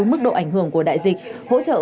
mức độ ảnh hưởng của đại dịch hỗ trợ